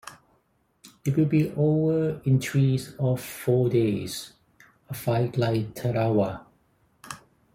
It'll be over in three of four days - a fight like Tarawa.